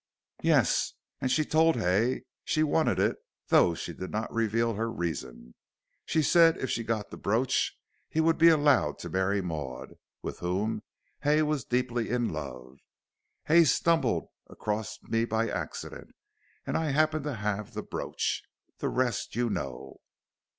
"Yes. And she told Hay she wanted it though she did not reveal her reason. She said if she got the brooch he would be allowed to marry Maud, with whom Hay was deeply in love. Hay stumbled across me by accident, and I happened to have the brooch. The rest you know."